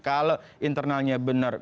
kalau internalnya benar